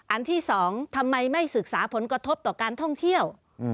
อันที่๒ทำไมไม่ศึกษาผลกระทบต่อการท่องเที่ยว